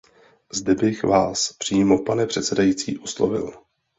Zde bych vás přímo, pane předsedající, oslovil.